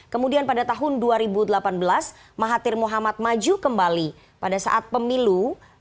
kemudian pada tahun dua ribu delapan belas mahathir mohamad maju kembali pada saat pemilu